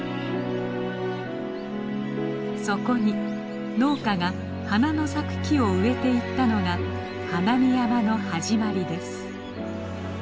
そこに農家が花の咲く木を植えていったのが花見山の始まりです。